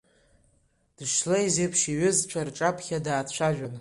Дышлеиз еиԥш, иҩызцәа рҿаԥхьа даацәажәан…